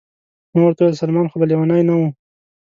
ما ورته وویل: سلمان خو به لیونی نه و؟